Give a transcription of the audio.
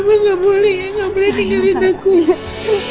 tante sarah keinentoo rendah